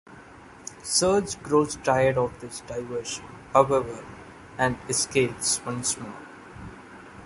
Serge grows tired of this diversion, however, and escapes once more.